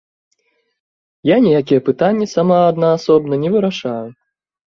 Я ніякія пытанні сама аднаасобна не вырашаю.